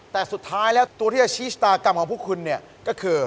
แต่สุดท้ายแล้วตัวที่จะชี้ชะตากรรมของพวกคุณเนี่ยก็คือ